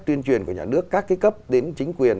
tuyên truyền của nhà nước các cái cấp đến chính quyền